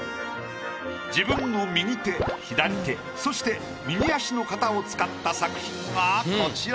自分の右手左手そして右足の形を使った作品がこちら。